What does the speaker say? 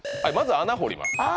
まず穴掘ります